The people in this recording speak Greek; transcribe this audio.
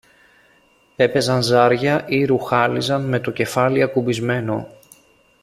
έπαιζαν ζάρια ή ρουχάλιζαν με το κεφάλι ακουμπισμένο